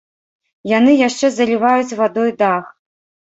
Яны яшчэ заліваюць вадой дах.